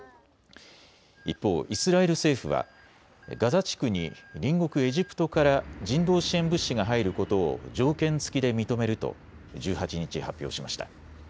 一方、イスラエル政府はガザ地区に隣国エジプトから人道支援物資が入ることを条件付きで認めると１８日、発表しました。